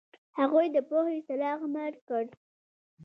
هغوی د پوهې څراغ مړ کړ.